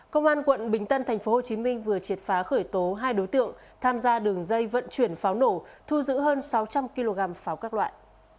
công an quận bình tân tp hcm vừa triệt phá khởi tố hai đối tượng tham gia đường dây vận chuyển pháo nổ thu giữ hơn sáu trăm linh kg pháo các loại